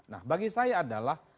nah bagi saya adalah